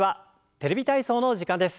「テレビ体操」の時間です。